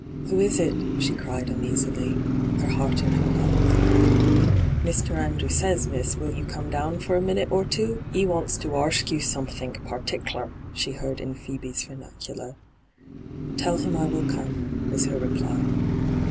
* Who is it V she cried uneasily, her ' heart in her mouth.' ' Mr. Andrew says, miss, will you come down for a minute or two ?'£ wants to arsk you aomethink pertickler/ she heard in Phcebe's vernacular. ' Tell him I will come,' was her reply.